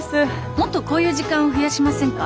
もっとこういう時間増やしませんか？